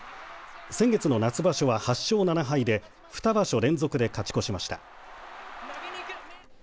先月の夏場所は８勝７敗で２場所連続で勝ち越しました。